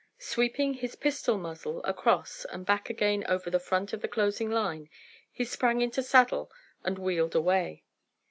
Sweeping his pistol muzzle across and back again over the front of the closing line, he sprang into saddle and wheeled away.